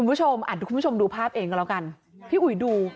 อาจทุกคุณชมดูภาพเองก็แล้วกันพี่อุ๋ยดูได้